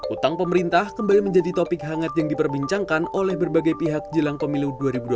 utang pemerintah kembali menjadi topik hangat yang diperbincangkan oleh berbagai pihak jelang pemilu dua ribu dua puluh